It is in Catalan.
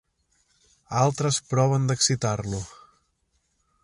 Altres proven d'excitar-lo.